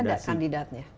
kan ada kandidatnya